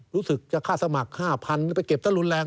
รู้สึกจะค่าสมัคร๕๐๐๐ไปเก็บตะลุนแรง